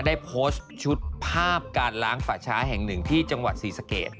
ได้โพสต์ชุดภาพการล้างป่าช้าแห่งหนึ่งที่จังหวัดศรีสะเกด